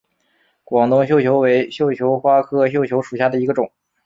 广东绣球为绣球花科绣球属下的一个种。